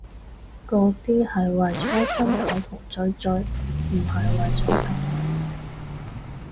嗰啲係為搓心口同嘴嘴，唔係為咗救人